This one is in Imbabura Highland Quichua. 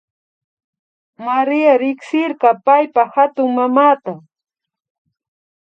Maria riksirka paypa hatunmamata